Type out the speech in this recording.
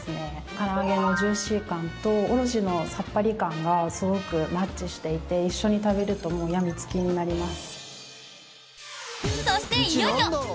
から揚げのジューシー感とおろしのさっぱり感がすごくマッチしていて一緒に食べると病み付きになります。